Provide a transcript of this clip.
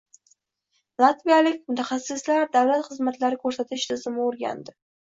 Latviyalik mutaxassislar davlat xizmatlari ko‘rsatish tizimini o‘rganding